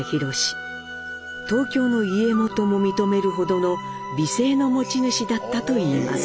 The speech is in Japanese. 東京の家元も認めるほどの美声の持ち主だったといいます。